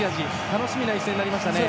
楽しみな一戦になりましたね。